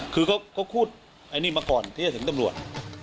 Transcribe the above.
คือเขาพูดไอ้นี่มาก่อนที่จะถึงตำรวจ